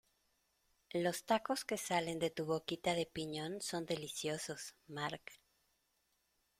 Los tacos que salen de tu boquita de piñón son deliciosos, Marc.